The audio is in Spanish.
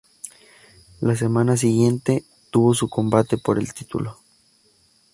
La semana siguiente, tuvo su combate por el título.